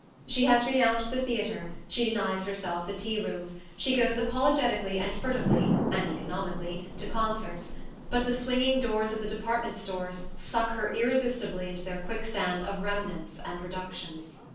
She has renounced the theatre, she denies herself the teo rooms, she goes apologetically and furtively (and economically) to concerts but the swinging doors of the department stores suck her irresistibly into their quicksand of remnants and reductions.